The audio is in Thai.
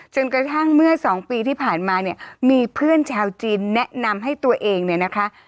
จนกระทั่งเมื่อสองปีที่ผ่านมาเนี่ยมีเพื่อนชาวจีนแนะนำให้ตัวเองเนี่ยนะคะ